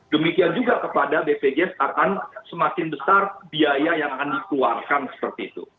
demikian juga kepada bpjs akan semakin besar biaya yang akan dikeluarkan seperti itu